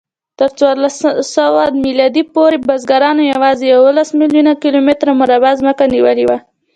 تر څوارلسسوه میلادي پورې بزګرانو یواځې یوولس میلیونه کیلومتره مربع ځمکه نیولې وه.